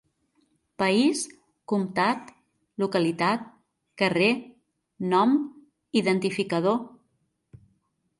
"País - Comtat - Localitat - Carrer - Nom - Identificador".